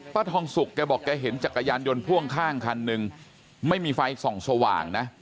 ทองสุกแกบอกแกเห็นจักรยานยนต์พ่วงข้างคันหนึ่งไม่มีไฟส่องสว่างนะ